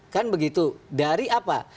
kan begitu dari apa